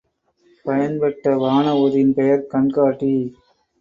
பயன்பட்ட வானஊர்தியின் பெயர் கன்கார்டி.